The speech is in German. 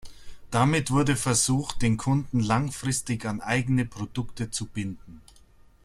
Damit wurde versucht, den Kunden langfristig an eigene Produkte zu binden.